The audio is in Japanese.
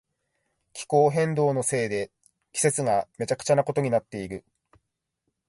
気候変動のせいで季節がめちゃくちゃなことになっている。